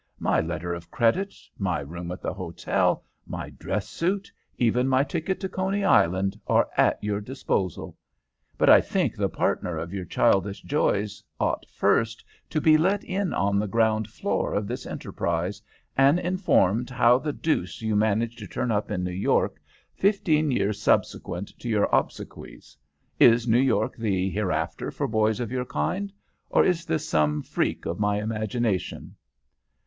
My letter of credit, my room at the hotel, my dress suit, even my ticket to Coney Island, are at your disposal; but I think the partner of your childish joys ought first to be let in on the ground floor of this enterprise, and informed how the deuce you manage to turn up in New York fifteen years subsequent to your obsequies. Is New York the hereafter for boys of your kind, or is this some freak of my imagination?'"